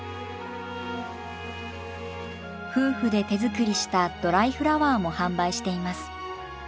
夫婦で手作りしたドライフラワーも販売しています。